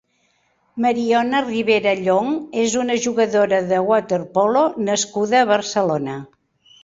Mariona Ribera Llonc és una jugadora de waterpolo nascuda a Barcelona.